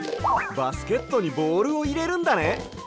バスケットにボールをいれるんだね。